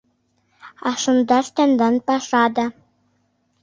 А шындаш — тендан пашада.